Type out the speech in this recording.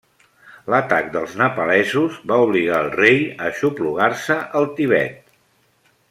L'atac dels nepalesos va obligar al rei a aixoplugar-se al Tibet.